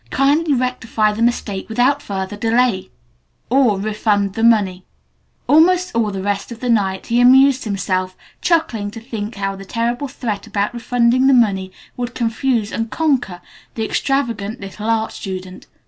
Kindly rectify the mistake without further delay! or REFUND THE MONEY." Almost all the rest of the night he amused himself chuckling to think how the terrible threat about refunding the money would confuse and conquer the extravagant little Art Student.